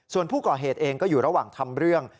ส่วนผู้ก่อเหตุเองก็อยู่ระหว่างทำเรื่อง